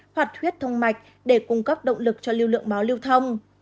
hoặc huyết thông mạch để cung cấp động lực cho lưu lượng máu lưu thông